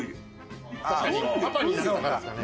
パパになったからですかね。